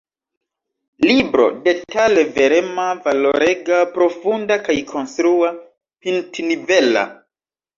Libro detale verema, valorega, profunda kaj konstrua, pintnivela.